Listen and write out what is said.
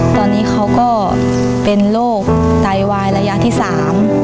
ตอนนี้เขาก็เป็นโรคไตวายระยะที่สาม